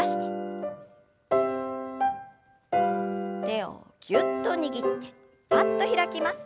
手をぎゅっと握ってぱっと開きます。